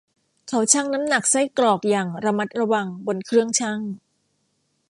เขาชั่งน้ำหนักไส้กรอกอย่างระมัดระวังบนเครื่องชั่ง